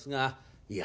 いや。